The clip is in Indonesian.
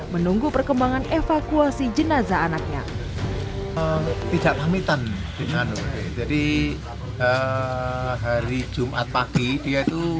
menunggu perkembangan evakuasi jenazah anaknya tidak pamitan dengan oleh jadi hari jumat paki dia